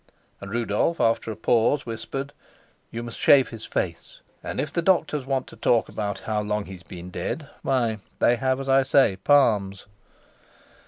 And Rudolf, after a pause, whispered, "You must shave his face. And if the doctors want to talk about how long he's been dead, why, they have, as I say, palms."